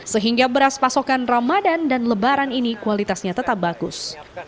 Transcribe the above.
sehingga beras pasokan ramadan dan lebaran ini kualitasnya tetap bagus